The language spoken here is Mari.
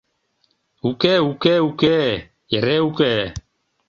Уке, уке, уке. эре уке...